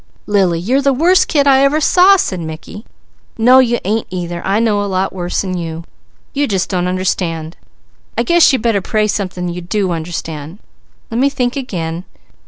"Lily, you're the worst kid I ever saw," said Mickey. "No you ain't either! I know a lot worse than you. You just don't understand. I guess you better pray something you do understand. Let me think again.